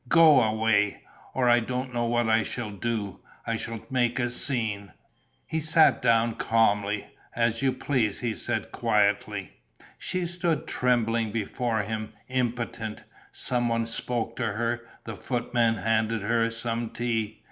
Go away! Or I don't know what I shall do, I shall make a scene." He sat down calmly: "As you please," he said, quietly. She stood trembling before him, impotent. Some one spoke to her; the footman handed her some tea.